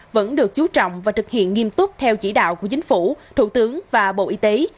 vẫn được chú trọng và thực hiện nghiêm túc theo chỉ đạo của chính phủ thủ tướng và bộ y tế